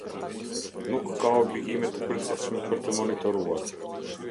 Nuk ka obligime të përgjithshme për të monitoruar.